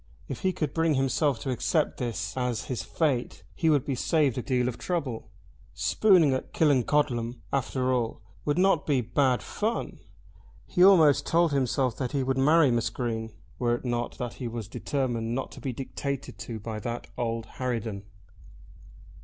If he could bring himself to accept this as his fate he would be saved a deal of trouble. Spooning at Killancodlem, after all, would not be bad fun. He almost told himself that he would marry Miss Green, were it not that he was determined not to be dictated to by that old harridan.